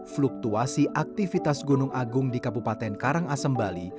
fluktuasi aktivitas gunung agung di kabupaten karangasem bali